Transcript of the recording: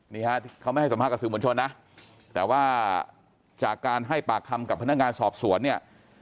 นี่ฮะเขาไม่ให้สัมภาษณ์กับสื่อมวลชนนะแต่ว่าจากการให้ปากคำกับพนักงานสอบสวนเนี่ย